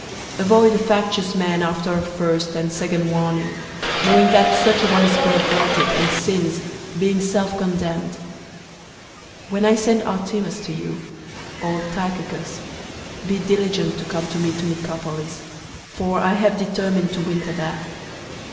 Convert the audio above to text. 003:010 Avoid a factious man after a first and second warning; 003:011 knowing that such a one is perverted, and sins, being self condemned. 003:012 When I send Artemas to you, or Tychicus, be diligent to come to me to Nicopolis, for I have determined to winter there.